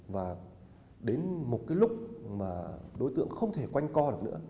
và đến một cái lúc mà đối tượng không thể quanh co được nữa